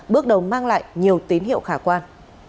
bước đầu mang lại nhiều tín hiệu khả quan